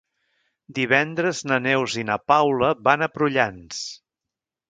Divendres na Neus i na Paula van a Prullans.